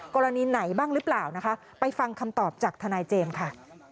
กรณีไหนบ้างหรือเปล่านะคะไปฟังคำตอบจากทนายเจมส์ค่ะ